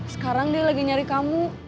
sekarang dia lagi nyari kamu